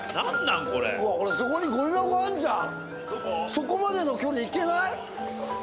そこまでの距離行けない？